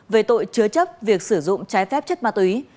về tội chứa chấp việc sử dụng trái phép chất ma túy